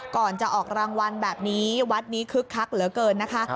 ก่อนจะออกรางวัลแบบนี้วัดนี้คึกคักเหลือเกินนะคะ